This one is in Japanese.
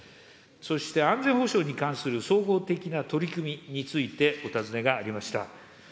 そして安全保障に関する総合的な取り組みについて、お尋ねがありました。